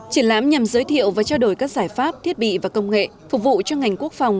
triển lãm nhằm giới thiệu và trao đổi các giải pháp thiết bị và công nghệ phục vụ cho ngành quốc phòng